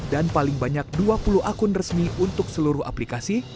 dan paling banyak dua puluh akun resmi untuk seluruh aplikasi